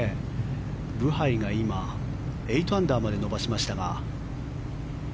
ブハイが今８アンダーまで伸ばしましたが。